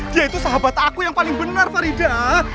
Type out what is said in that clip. dia itu sahabat aku yang paling benar farida